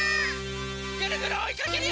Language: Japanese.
ぐるぐるおいかけるよ！